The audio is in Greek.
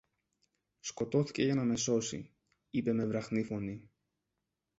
Σκοτώθηκε για να με σώσει, είπε με βραχνή φωνή.